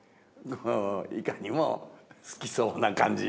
いかにも好きそうな感じ。